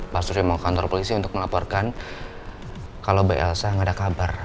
pak surya mau ke kantor polisi untuk melaporkan kalau b elsa gak ada kabar